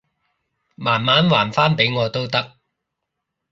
慢慢還返畀我都得